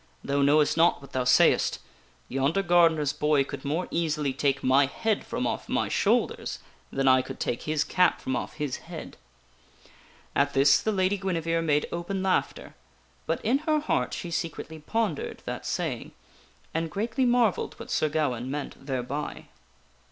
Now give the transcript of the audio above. Thou knowest not what thou sayest. Yonder gardener's boy could more easily take my head from off my shoulders than I could take his cap from off his head." At this the Lady Guinevere made open laughter ; but in her heart she secretly pondered that saying and greatly marvelled what Sir Gawaine meant thereby.